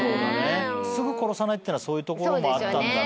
すぐ殺さないってのはそういうところもあったろうね。